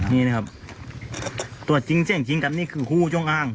นี่นะครับตัวจริงครับนี่คือคู่จงอ่าง